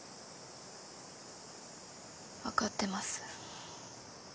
わかってます。